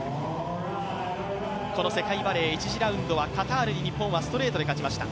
この世界バレー１次ラウンドはカタールにストレートで勝ちました。